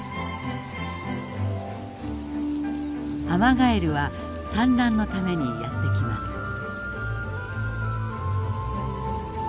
アマガエルは産卵のためにやって来ます。